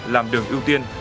làm đường ưu tiên